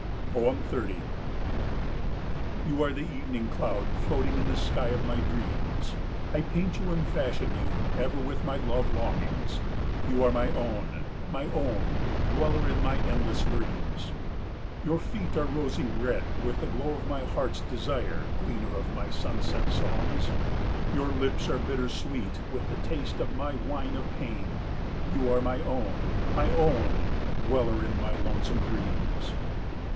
30 You are the evening cloud floating in the sky of my dreams. I paint you and fashion you ever with my love longings. You are my own, my own, Dweller in my endless dreams! Your feet are rosy red with the glow of my heart's desire, Gleaner of my sunset songs! Your lips are bitter sweet with the taste of my wine of pain. You are my own, my own, Dweller in my lonesome dreams!